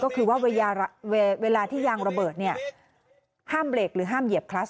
ก็คือว่าเวลาที่ยางระเบิดเนี่ยห้ามเบรกหรือห้ามเหยียบคลัส